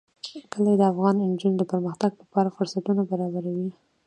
کلي د افغان نجونو د پرمختګ لپاره فرصتونه برابروي.